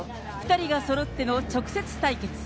２人がそろっての直接対決。